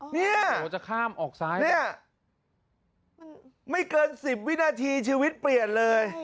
เนี่ยจะข้ามออกซ้ายเนี่ยไม่เกิน๑๐วินาทีชีวิตเปลี่ยนเลย